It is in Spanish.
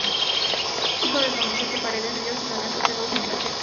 Hijo de don "Vicente Paredes Ríos" y doña "Josefa Eugenia Pacheco".